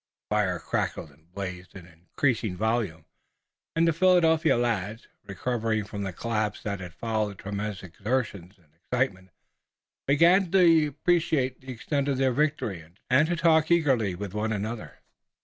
The fire crackled and blazed in increasing volume, and the Philadelphia lads, recovering from the collapse that had followed tremendous exertions and excitement, began to appreciate the extent of their victory and to talk eagerly with one another.